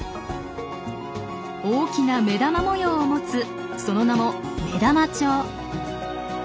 大きな目玉模様を持つその名もメダマチョウ。